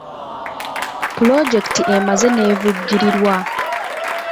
Pulojekiti emaze n'evvujjirirwa.